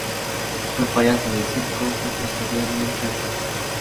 Fue payaso de circo y posteriormente actor.